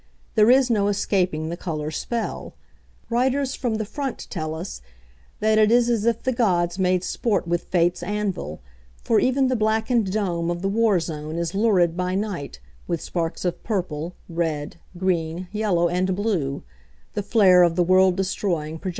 There is no escaping the colour spell. Writers from the front tell us that it is as if the gods made sport with fate's anvil, for even the blackened dome of the war zone is lurid by night, with sparks of purple, red, green, yellow and blue; the flare of the world destroying projectiles.